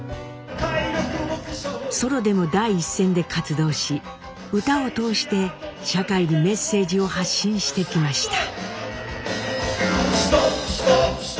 ソロでも第一線で活動し歌を通して社会にメッセージを発信してきました。